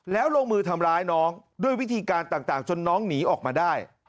แล้วลงมือทำร้ายน้องด้วยวิธีการต่างจนน้องหนีออกมาได้